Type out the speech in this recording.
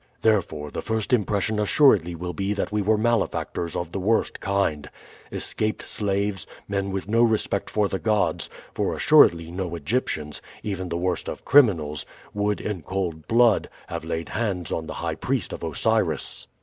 Therefore, the first impression assuredly will be that we were malefactors of the worst kind, escaped slaves, men with no respect for the gods; for assuredly no Egyptians, even the worst of criminals, would, in cold blood, have laid hands on the high priest of Osiris."